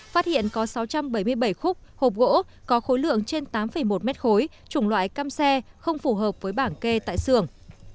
phát hiện có sáu trăm bảy mươi bảy khúc hộp gỗ có khối lượng trên tám một mét khối chủng loại cam xe không phù hợp với bảng kê tại xưởng